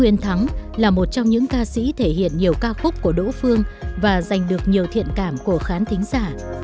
nguyễn thắng là một trong những ca sĩ thể hiện nhiều ca khúc của đỗ phương và giành được nhiều thiện cảm của khán thính giả